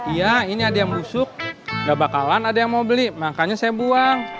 iya ini ada yang busuk udah bakalan ada yang mau beli makanya saya buang